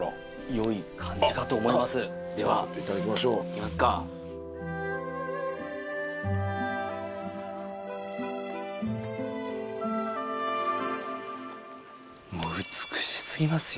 良い感じかと思いますいただきましょうではいきますかもう美しすぎますよ